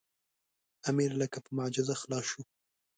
امیر لکه په معجزه خلاص شو.